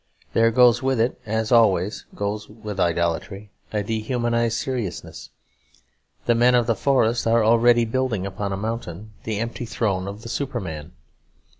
There goes with it, as always goes with idolatry, a dehumanised seriousness; the men of the forest are already building upon a mountain the empty throne of the Superman.